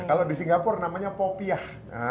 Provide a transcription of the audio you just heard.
kalau di singapura namanya popiah